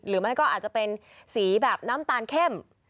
หรือไม่ก็อาจจะเป็นสีแบบน้ำตาลเข้ม